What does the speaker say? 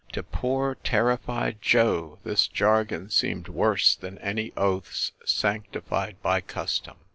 To poor, terrified Joe this jargon seemed worse than any oaths sanctified by custom.